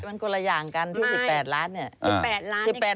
มันคนละอย่างกันที่๑๘ล้านเนี่ย